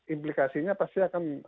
implikasinya pasti akan akan phk gitu loh